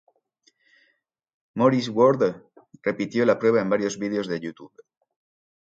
Maurice Ward repitió la prueba en varios vídeos de Youtube.